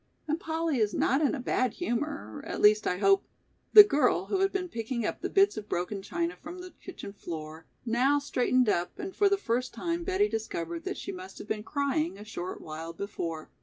And Polly is not in a bad humor, at least I hope " The girl, who had been picking up the bits of broken china from the kitchen floor, now straightened up and for the first time Betty discovered that she must have been crying a short while before.